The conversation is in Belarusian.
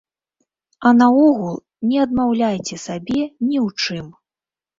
А наогул, не адмаўляйце сабе ні ў чым.